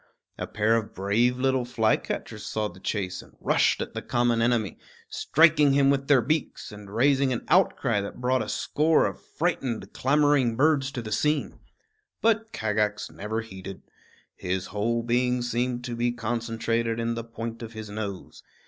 A pair of brave little flycatchers saw the chase and rushed at the common enemy, striking him with their beaks, and raising an outcry that brought a score of frightened, clamoring birds to the scene. But Kagax never heeded. His whole being seemed to be concentrated in the point of his nose.